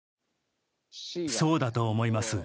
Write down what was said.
そうだと思います。